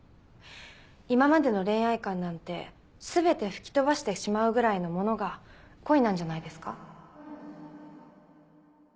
今までの恋愛観なんて全て吹き飛ばしてしまうぐらいのものが恋なんじゃないですか？